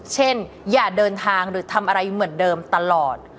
อย่าเดินทางหรือทำอะไรเหมือนเดิมตลอด